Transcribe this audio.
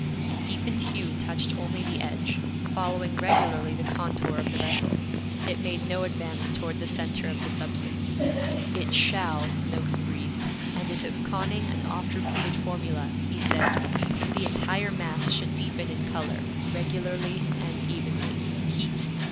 The deepened hue touched only the edge, following regularly the contour of the vessel; it made no advance toward the centre of the substance. 'It shall!' Noakes breathed; and as if conning an oft repeated formula, he said, 'The entire mass should deepen in color, regularly and evenly. Heat!